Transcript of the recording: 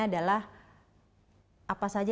adalah apa saja